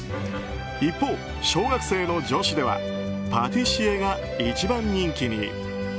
一方、小学生の女子ではパティシエが一番人気に。